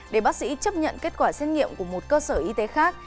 để bác sĩ chấp nhận kết quả xét nghiệm của một cơ sở y tế khác